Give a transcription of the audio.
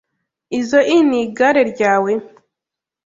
Izoi ni igare ryawe?